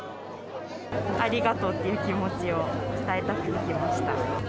ありがとうっていう気持ちを伝えたくて来ました。